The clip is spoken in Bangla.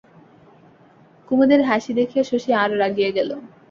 কুমুদের হাসি দেখিয়া শশী আরও রাগিয়া গেল।